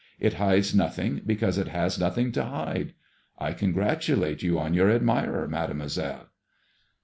It hides nothing because it has nothing to hide. I congratulate you on your ad mirer, Mademoiselle."